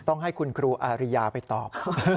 ต้องให้คุณครูอาริยาไปตอบ